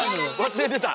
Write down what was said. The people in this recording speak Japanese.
忘れてた！